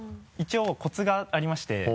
一応コツがありまして。